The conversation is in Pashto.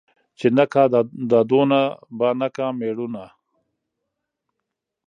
ـ چې نه کا دادونه بانه کا مېړونه.